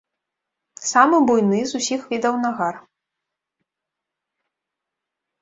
Самы буйны з усіх відаў нагар.